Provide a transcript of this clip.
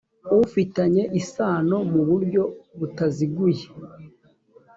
ufitanye isano mu buryo butaziguye